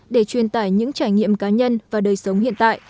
để truyền tải những trải nghiệm cá nhân và đời sống hiện tại